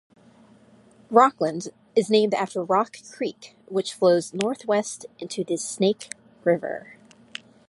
Rockland is named after Rock Creek which flows north west into the Snake River.